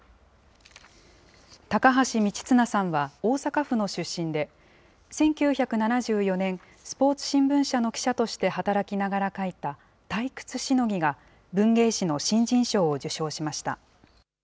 高橋三千綱さんは、大阪府の出身で、１９７４年、スポーツ新聞社の記者として働きながら書いた、退屈しのぎが文芸誌の新人賞を受賞しました。